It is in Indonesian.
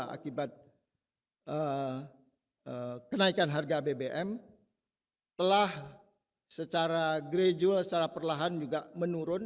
akibat kenaikan harga bbm telah secara gradual secara perlahan juga menurun